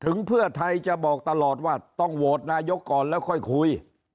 เพื่อไทยจะบอกตลอดว่าต้องโหวตนายกก่อนแล้วค่อยคุย